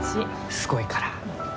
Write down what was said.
すごいから。